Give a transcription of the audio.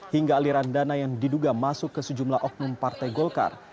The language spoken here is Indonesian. hingga aliran dana yang diduga masuk ke sejumlah oknum partai golkar